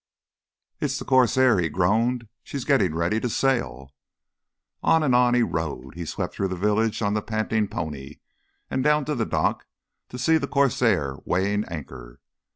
"It's the 'Corsair,'" he groaned. "She's getting ready to sail." On and on he rode. He swept through the village on the panting pony and down to the dock to see the 'Corsair' weighing anchor.